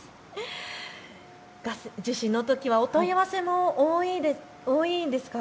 地震のときはお問い合わせも多いんですか。